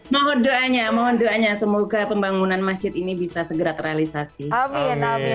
mohon doanya semoga pembangunan masjid ini bisa segera terrealisasi